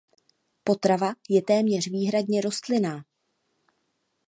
Potrava je téměř výhradně rostlinná.